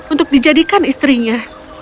untuk dijadikan istrinya